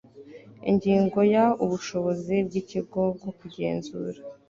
Ingingo ya Ubushobozi bw Ikigo bwo kugenzura